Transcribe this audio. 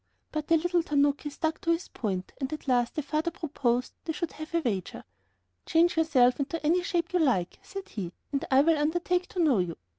But the little tanaki stuck to his point, and at last the father proposed they should have a wager. "Change yourself into any shape you like," said he, "and I will undertake to know you.